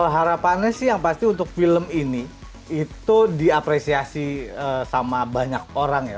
harapannya sih yang pasti untuk film ini itu diapresiasi sama banyak orang ya